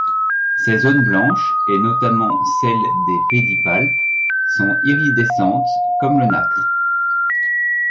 Ces zones blanches, et notamment celles des pédipalpes, sont iridescentes comme le nacre.